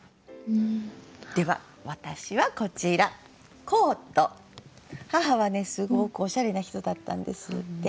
では私はこちら母はねすごくおしゃれな人だったんです。